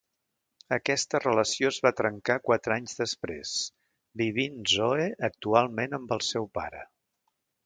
Aquesta relació es va trencar quatre anys després, vivint Zoe actualment amb el seu pare.